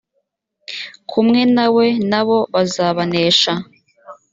kumwe na we na bo bazabanesha